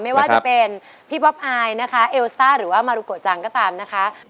ไม่ว่าจะเป็นพี่ป๊อปอายนะคะเอลซ่าหรือว่ามารุโกจังก็ตามนะคะ